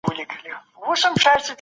راتلونکی به د نن څخه ښه وي.